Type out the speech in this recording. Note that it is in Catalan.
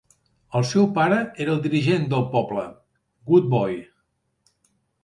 El seu pare era el dirigent del poble, Good Boy.